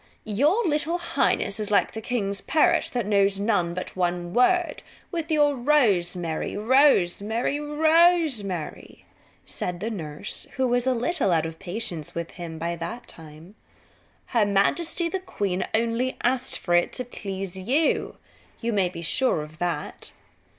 "Your little highness is like the king's parrot that knows but one word with your rosemary, rosemary, rosemary," said the nurse who was a little out of patience by that time. "Her majesty, the queen, only asked for it to please you. You may be sure of that."